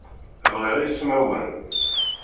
Bɣiɣ ismawen.